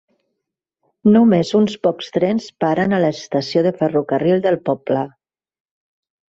Només uns pocs trens paren a l'estació de ferrocarril del poble.